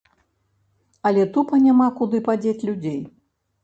Але тупа няма куды падзець людзей.